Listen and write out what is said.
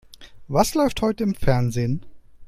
Was läuft heute im Fernsehen?